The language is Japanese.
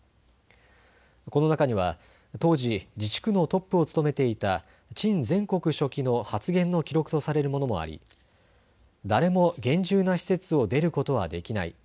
この中には当時自治区のトップを務めていた陳全国書記の発言の記録とされるものもあり、誰も厳重な施設を出ることはできない。